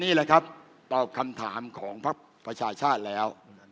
นี่แหละครับตอบคำถามของพระประชาชาชนแล้ว